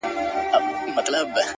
سیاه پوسي ده؛ مرگ خو یې زوی دی؛